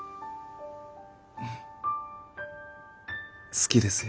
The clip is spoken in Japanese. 好きですよ。